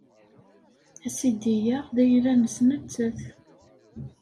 Asidi-a d ayla-nnes nettat.